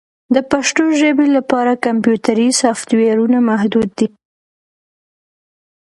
د پښتو ژبې لپاره کمپیوټري سافټویرونه محدود دي.